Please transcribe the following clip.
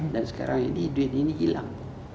dan sekarang ini duit ini hilang